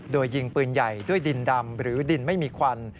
โดยยิงปืนใหญ่ด้วยดินดำหรือดินไม่มีควัน